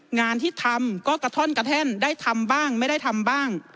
งานที่ทำก็กระท่อนกระแท่นได้ทำบ้างไม่ได้ทำบ้าง